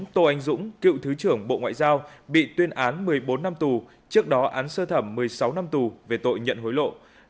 bốn tô anh dũng cựu thứ trưởng bộ ngoại giao bị tuyên án một mươi bốn năm tù trước đó án sơ thẩm một mươi sáu năm tù về tội nhận hối lộ